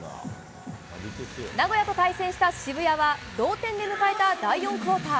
名古屋と対戦した渋谷は同点で迎えた第４クオーター。